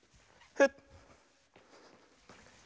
フッ。